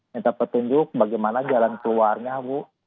minta petunjuk bagaimana jalan keluarnya bu